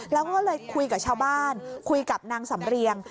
แล้วก็เลยคุยกับชาวบ้านคุยกับนางสำเรียง